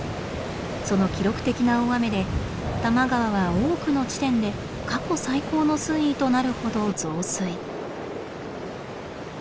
その記録的な大雨で多摩川は多くの地点で過去最高の水位となるほど増水。